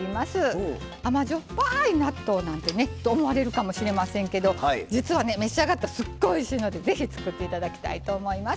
甘じょっぱい納豆なんてねと思われるかもしれませんけど実はね召し上がったらすっごいおいしいのでぜひ作って頂きたいと思います。